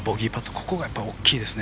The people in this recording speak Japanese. ここが大きいですね。